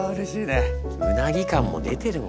うなぎ感も出てるもんな。